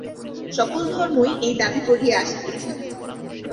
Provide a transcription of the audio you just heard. সকল ধর্মই এই দাবী করিয়া আসিতেছেন।